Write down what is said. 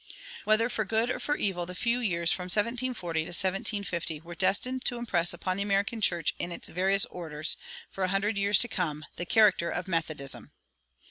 Whether for good or for evil, the few years from 1740 to 1750 were destined to impress upon the American church in its various orders, for a hundred years to come, the character of Methodism.